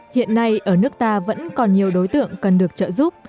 hiện nay ở nước ta vẫn còn nhiều đối tượng cần được trợ giúp